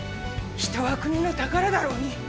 人は国の宝だろうに。